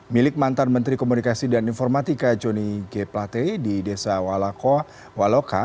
milik mantan menteri komunikasi dan informatika joni g plate di desa walako waloka